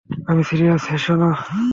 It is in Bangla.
আমি সিরিয়াস, হেসো না।